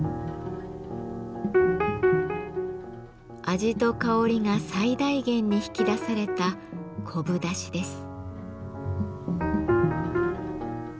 味と香りが最大限に引き出された昆布だしです。